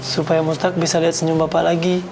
supaya mustahak bisa liat senyum bapak lagi